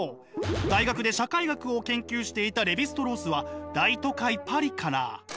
大学で社会学を研究していたレヴィ＝ストロースは大都会パリから。